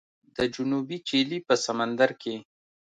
د جنوبي چیلي په سمندر کې